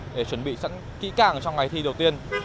để chuẩn bị sẵn kỹ càng trong ngày thi đầu tiên